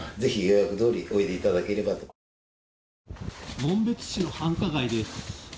紋別市の繁華街です。